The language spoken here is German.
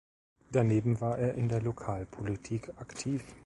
Daneben war er in der Lokalpolitik aktiv.